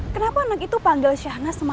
kenapa anak itu panggil syahna semama